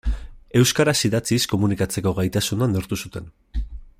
Euskaraz idatziz komunikatzeko gaitasuna neurtu zuten.